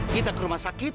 kita ke rumah sakit